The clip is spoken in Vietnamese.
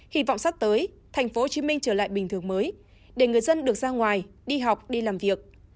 hy vọng sắp tới tp hcm trở lại bình thường mới để người dân được ra ngoài đi học đi làm việc